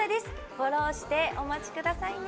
フォローしてお待ちくださいね。